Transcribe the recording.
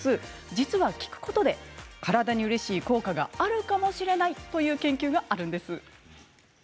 実は聴くことで体にうれしい効果があるかもしれないという研究があるんです。